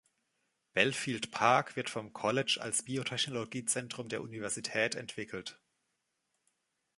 Belfield Park wird vom College als Biotechnologiezentrum der Universität entwickelt.